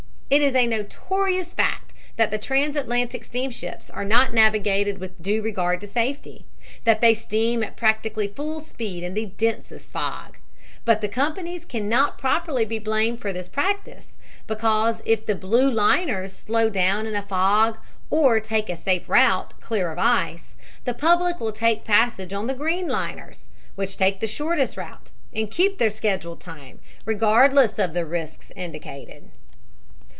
It is a notorious fact that the transatlantic steamships are not navigated with due regard to safety; that they steam at practically full speed in the densest fogs. But the companies cannot properly be blamed for this practice, because if the 'blue liners' slow down in a fog or take a safe route, clear of ice, the public will take passage on the 'green liners,' which take the shortest route, and keep up their schedule time; regardless of the risks indicated."